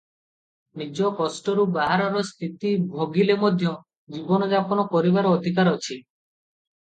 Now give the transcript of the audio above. ନିଜ କଷ୍ଟରୁ ବାହାରର ସ୍ଥିତି ଭୋଗିଲେ ମଧ୍ୟ ଜୀବନଯାପନ କରିବାର ଅଧିକାର ଅଛି ।